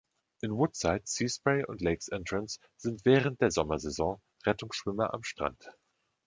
In Woodside, Seaspray und Lakes Entrance sind während der Sommersaison Rettungsschwimmer am Strand.